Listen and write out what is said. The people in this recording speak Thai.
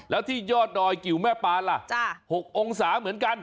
แล้วที่ยอดดอยกิ๋วแม่ปานล่ะ๖องศาเหมือนกัน